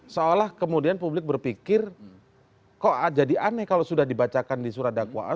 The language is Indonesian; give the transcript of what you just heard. seolah kemudian publik berpikir kok jadi aneh kalau sudah dibacakan di surat dakwaan